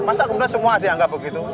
masa kemudian semua dianggap begitu